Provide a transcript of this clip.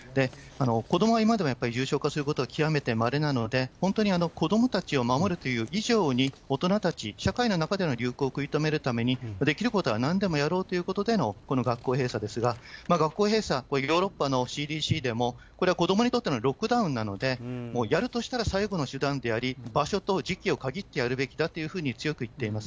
子どもは今でも重症化することは極めてまれなので、本当に子どもたちを守るという以上に、大人たち、社会の中での流行を食い止めるために、できることはなんでもやろうということでのこの学校閉鎖ですが、学校閉鎖、ヨーロッパのＣＤＣでも、これは子どもにとってのロックダウンなので、もうやるとしたら、最後の手段であり、場所と時期を限ってやるべきだというふうに、強く言っています。